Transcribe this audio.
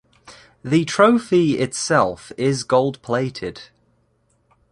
The trophy itself is gold plated.